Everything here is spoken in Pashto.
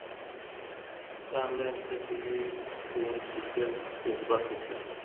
که انلاین زده کړه وي، ښوونکي ژر فیډبک ورکوي.